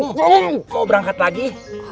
mau berangkat lagi